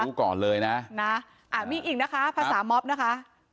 รู้ก่อนเลยนะอ่ะมีอีกอีกนะคะภาษาม็อบนะคะ